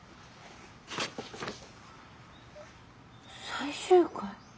最終回？